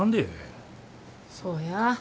そうや。